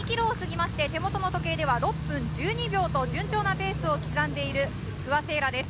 ２ｋｍを過ぎて手元の時計では６分１２秒と順調なペースを刻んでいる不破聖衣来です。